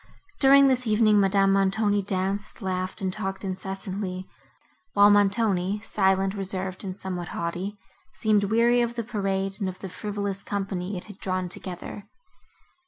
During this evening, Madame Montoni danced, laughed and talked incessantly; while Montoni, silent, reserved and somewhat haughty, seemed weary of the parade, and of the frivolous company it had drawn together.